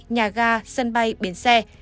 nhà ga sân bay biến xe